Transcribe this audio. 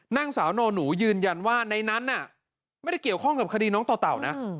นางสาวนอนหนูยืนยันว่าในนั้นไม่ได้เกี่ยวข้องกับคดีน้องต่อเต่านะ